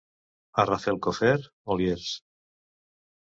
A Rafelcofer, oliers.